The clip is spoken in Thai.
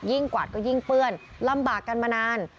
กวาดก็ยิ่งเปื้อนลำบากกันมานาน